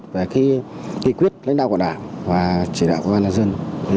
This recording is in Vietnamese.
về kỳ quyết lãnh đạo của đảng và chỉ đạo của đồng dân